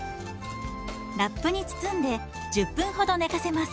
ラップに包んで１０分ほど寝かせます。